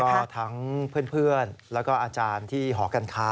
ก็ทั้งเพื่อนแล้วก็อาจารย์ที่หอการค้า